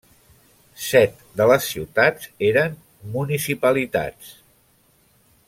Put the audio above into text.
Set de les ciutats eren municipalitats.